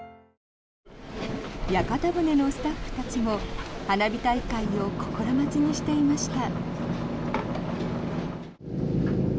屋形船のスタッフたちも花火大会を心待ちにしていました。